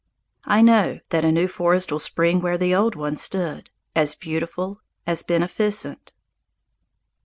I know that a new forest will spring where the old one stood, as beautiful, as beneficent.